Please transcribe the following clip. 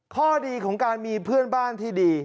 ข้อดีของการมีเพื่อนบ้านที่ดี